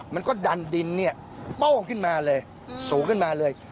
มันก็ดันดินเนี่ยโป้งขึ้นมาเลยสูงขึ้นมาเลย